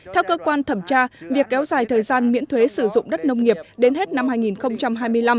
theo cơ quan thẩm tra việc kéo dài thời gian miễn thuế sử dụng đất nông nghiệp đến hết năm hai nghìn hai mươi năm